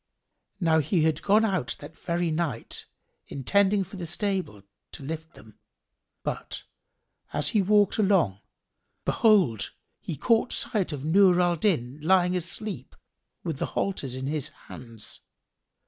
Now he had gone out that very night, intending for the stable, to lift them; but, as he walked along, behold, he caught sight of Nur al Din lying asleep, with the halters in his hands.